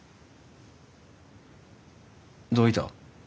どういた？